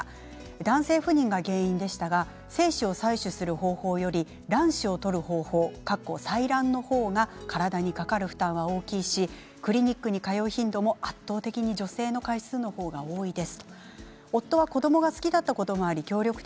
男性不妊が原因でしたが精子を採取する方法より卵子を採る方法の方が体にかかる負担は大きいしクリニックに通う頻度も圧倒的に女性の回数の方が多いです。